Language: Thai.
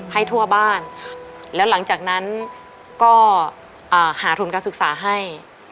ให้ทั่วบ้านแล้วหลังจากนั้นก็หาทุนการศึกษาให้